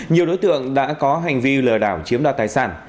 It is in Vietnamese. nhiều đối tượng đã có hành vi lừa đảo chiếm đoạt tài sản